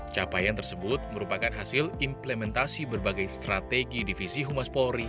capaian tersebut merupakan hasil implementasi berbagai strategi divisi humas polri